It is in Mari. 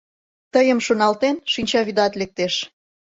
Тыйым шоналтен, шинчавӱдат лектеш...